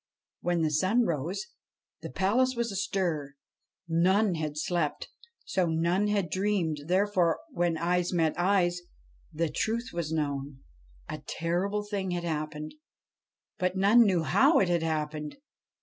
When the sun rose, the palace was still astir. None had slept, so none had dreamed ; therefore, when eyes met eyes, the truth was known : a terrible thing had happened, but none knew how it had happened.